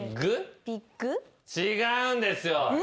違うんですよ。